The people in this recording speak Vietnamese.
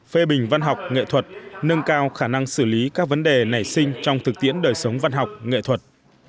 phê bình văn học nghệ thuật nâng cao khả năng xử lý các vấn đề nảy sinh trong thực tiễn đời sống văn học nghệ thuật